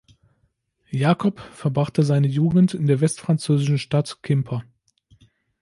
Jacob verbrachte seine Jugend in der westfranzösischen Stadt Quimper.